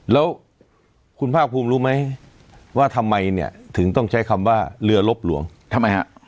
แล้วคุณภาคภูมิรู้ไหมว่าทำไมเนี่ยถึงต้องใช้คำว่าเรือลบหลวงทำไมฮะ